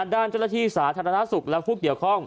ด้านเจ้าหน้าที่สาธารณสุขและผู้เกี่ยวข้อง